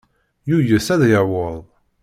Yuyes ad yaweḍ.